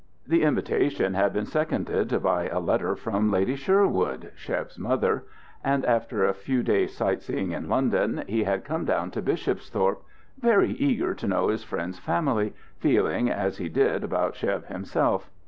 The invitation had been seconded by a letter from Lady Sherwood, Chev's mother, and after a few days sight seeing in London, he had come down to Bishopsthorpe, very eager to know his friend's family, feeling as he did about Chev himself.